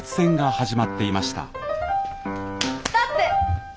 ストップ！